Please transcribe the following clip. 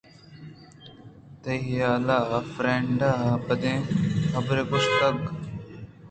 تئی حیالءَ فریڈا ءَ بدیں حبرے گوٛشتگ